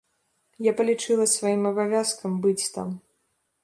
Я палічыла сваім абавязкам быць там.